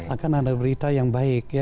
akan ada berita yang baik